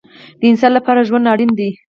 د انسان لپاره ژوند اړین دی